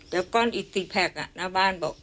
เดี๋ยวก้อนอีซีแพคหน้าบ้านบอก